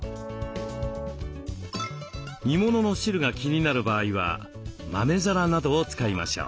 煮物の汁が気になる場合は豆皿などを使いましょう。